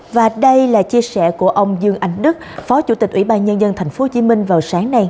và đây là chia sẻ của ông dương anh đức phó chủ tịch ủy ban nhân dân tp hcm vào sáng nay